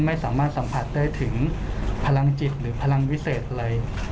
ไม่สามารถสัมผัสได้ถึงพลังจิตหรือพลังวิเศษอะไร